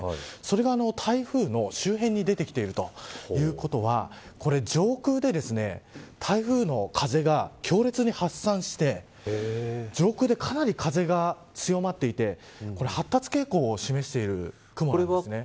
それが台風の周辺に出てきているということは上空で、台風の風が強烈に発散して上空でかなり風が強まっていて発達傾向を示している雲なんですね。